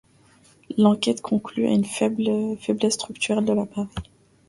L'enquête conclut à une faiblesse structurelle de l'appareil.